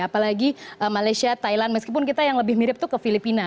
apalagi malaysia thailand meskipun kita yang lebih mirip itu ke filipina